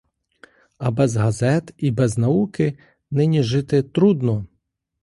А без газет і без науки нині жити трудно.